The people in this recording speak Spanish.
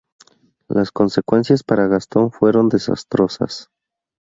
Las consecuencias para Gastón fueron desastrosas.